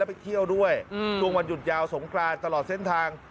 ไปเที่ยวด้วยช่วงวันหยุดยาวสงกรานตลอดเส้นทาง